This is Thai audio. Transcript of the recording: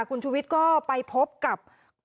คุณชูวิทย์ก็ไปพบกับ